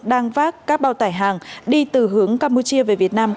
đang vác các bao tải hàng đi từ hướng campuchia về việt nam